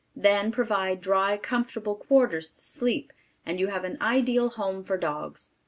Then provide dry, comfortable quarters to sleep, and you have an ideal home for dogs.